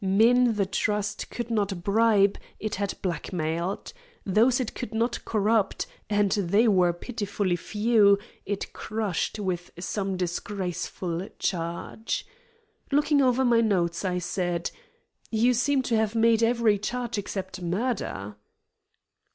Men the trust could not bribe it had blackmailed. Those it could not corrupt, and they were pitifully few, it crushed with some disgraceful charge. Looking over my notes, I said: "You seem to have made every charge except murder."